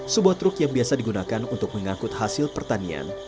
sebuah truk yang biasa digunakan untuk mengangkut hasil pertanian